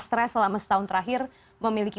stres selama setahun terakhir memiliki